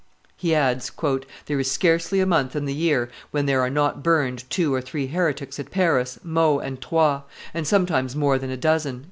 He adds, "There is scarcely a month in the year when there are not burned two or three heretics at Paris, Meaux, and Troyes, and sometimes more than a dozen."